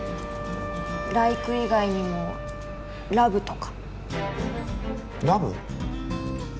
ライク以外にもラブとかラブ？